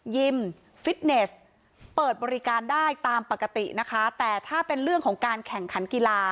ฟิตเนสเปิดบริการได้ตามปกตินะคะแต่ถ้าเป็นเรื่องของการแข่งขันกีฬา